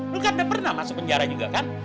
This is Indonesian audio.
lu kan udah pernah masuk penjara juga kan